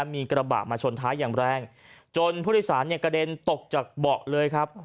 มีกระบะมาชนท้ายอย่างแรงจนผู้โดยสารกระเด็นตกจากเบาะเลยครับ